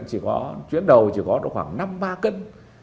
chỉ có chuyến đầu chỉ có khoảng năm ba cân